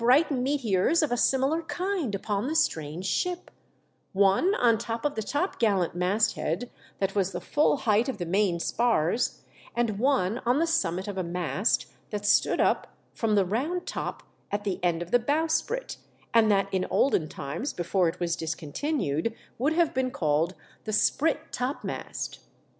77 shone two bright meteors of a similar kind upon the strange ship ; one on top of the topgallant masthead that was the full height of the main spars, and one on the summit of a mast that stood up from the round top at the end of the bowsprit and that in olden times, before it was discontinued, would have been called the sprit topmast.